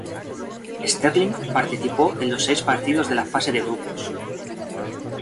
Sterling participó en los seis partidos de la fase de grupos.